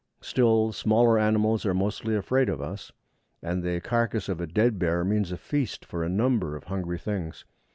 Still, smaller animals are mostly afraid of us, and the carcase of a dead bear means a feast for a number of hungry things.